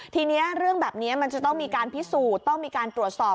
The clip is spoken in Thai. ทีนี้เรื่องแบบนี้มันจะต้องมีการพิสูจน์ต้องมีการตรวจสอบ